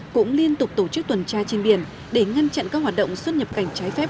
cũng liên tục tổ chức tuần tra trên biển để ngăn chặn các hoạt động xuất nhập cảnh trái phép